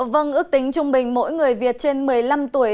vâng ước tính trung bình mỗi người việt trên một mươi năm tuổi